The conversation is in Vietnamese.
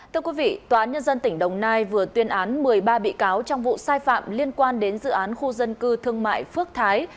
thưa quý vị tòa án nhân dân tỉnh đồng nai vừa tuyên án một mươi ba bị cáo trong vụ sai phạm liên quan đến dự án khu dân cư thương mại phước thái